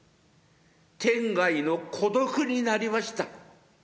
天涯の孤独になりました。